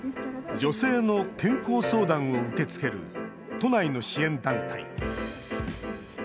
女性の健康相談を受け付ける都内の支援団体。